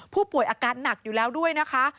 ผู้ป่วยอาการหนักอยู่แล้วด้วยนะคะ